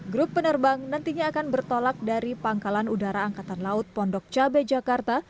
grup penerbang nantinya akan bertolak dari pangkalan udara angkatan laut pondok cabai jakarta